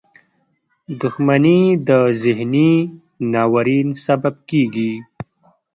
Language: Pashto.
• دښمني د ذهني ناورین سبب کېږي.